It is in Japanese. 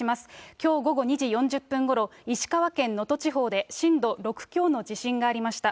きょう午後２時４０分ごろ、石川県能登地方で震度６強の地震がありました。